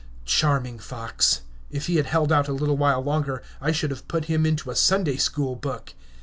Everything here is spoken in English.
Charming fox! If he had held out a little while longer, I should have put him into a Sunday school book.